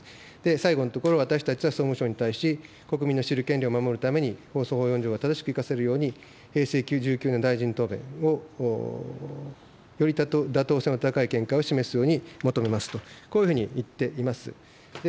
最後のところ、私たちは総務省に対し、国民の知る権利を守るために、放送法４条を正しく生かせるように、平成９、１９年大臣答弁を、より妥当性の高い見解を示すように求めますと、こういうふうにいっています。